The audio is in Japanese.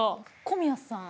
小宮さん。